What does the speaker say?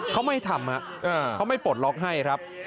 เขาไม่ทำเขาไม่ปลดล็อกให้ครับ